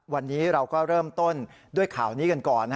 วันนี้เราก็เริ่มต้นด้วยข่าวนี้กันก่อน